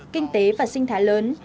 kinh tế và sinh thái lớn